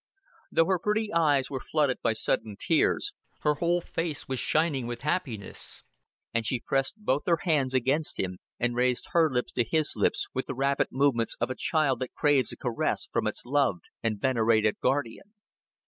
Though her pretty eyes were flooded by sudden tears, her whole face was shining with happiness; and she pressed both her hands against him, and raised her lips to his lips with the rapid movements of a child that craves a caress from its loved and venerated guardian.